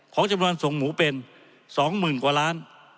ของจำนวนส่งหมูเป็น๒หมื่นกว่าล้าน